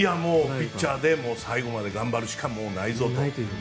ピッチャーで最後まで頑張るしかもうないぞと。